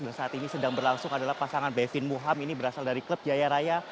saat ini sedang berlangsung adalah pasangan bevin muham ini berasal dari klub jaya raya